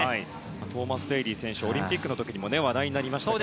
トーマス・デーリー選手はオリンピックの時も話題になりました。